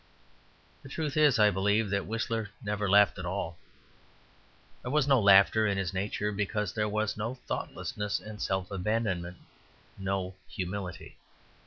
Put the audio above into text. The truth is, I believe, that Whistler never laughed at all. There was no laughter in his nature; because there was no thoughtlessness and self abandonment, no humility.